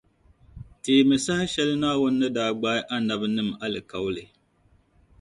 Teemi saha shεli Naawuni ni daa gbaai Annabinim’ alikauli .